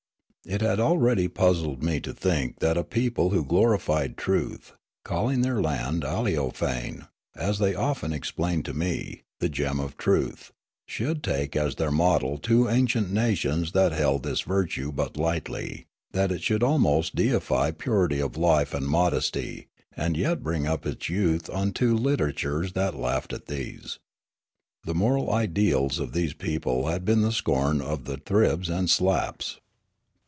It had already puzzled me to think that a people who glorified truth (calling their land Aleofane, as the}' often ex plained to me, " the gem of truth") should take as their model two ancient nations that held this virtue but lightly, that it should almost deify purity of life and modest}', and 3'et bring up its youth on two liter atures that laughed at these. The moral ideals of this \)eople had been the scorn of the Thribs and Slaps.